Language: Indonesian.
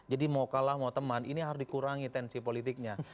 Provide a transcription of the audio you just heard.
jadi mau kalah mau teman ini harus dikurangi tensi politiknya